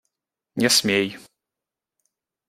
Не смей!